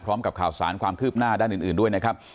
พร้อมกับข่าวสารความคืบหน้าด้านอื่นด้วยนะครับ